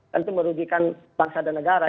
tentu merugikan bangsa dan negara